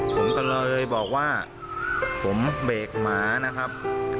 ผมก็เลยบอกว่าผมเบรกหมานะครับ